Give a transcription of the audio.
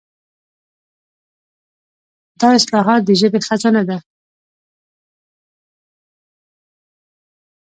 دا اصطلاحات د ژبې خزانه ده.